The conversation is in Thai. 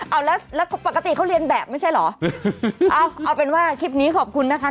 เอาแล้วแล้วปกติเขาเรียนแบบไม่ใช่เหรอเอาเอาเป็นว่าคลิปนี้ขอบคุณนะคะ